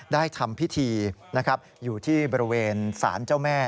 ได้ทำพิธีอยู่ที่บริเวณสานเจ้าแม่